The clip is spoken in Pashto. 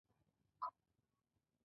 خوب د نرم مزاج سبب کېږي